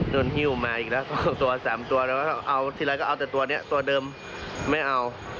โดนฮิวมาอีกแล้ว๒ตัว๓ตัวทีละก็เอาแต่ตัวเนี้ยตัวเดิมไม่เอา